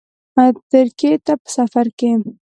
ترکیې ته په سفرکې